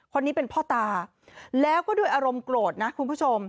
คนนี้เป็นพ่อตาแล้วก็ด้วยอารมณ์โกรธนะคุณผู้ชม